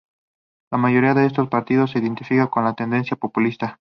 La mayoría de estos partidos se identificaban con la tendencia populista.